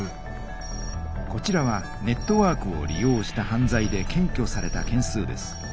こちらはネットワークを利用した犯罪で検挙された件数です。